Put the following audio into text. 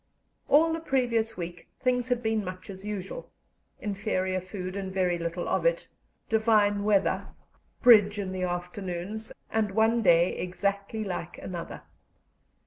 All the previous week things had been much as usual: inferior food, and very little of it; divine weather; "bridge" in the afternoons; and one day exactly like another.